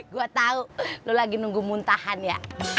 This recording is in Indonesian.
gue tau lo lagi nunggu muntahan ya